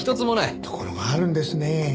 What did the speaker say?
ところがあるんですね。